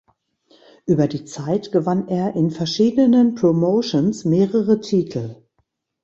Über die Zeit gewann er in verschiedenen Promotions mehrere Titel.